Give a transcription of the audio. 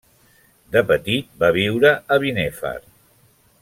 De petit va viure a Binèfar.